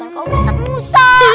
bukan kau ustadz musa